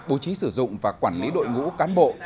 bố trí sử dụng và quản lý đội ngũ cán bộ